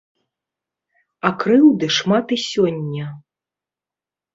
А крыўды шмат і сёння.